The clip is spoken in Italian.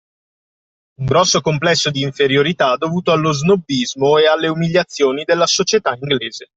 Un grosso complesso di inferiorità dovuto allo snobismo e alle umiliazioni della società inglese.